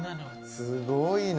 すごいな。